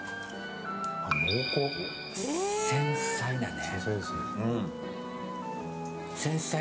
繊細だね。